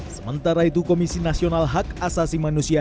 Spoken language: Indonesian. sementara itu komisi nasional hak asasi manusia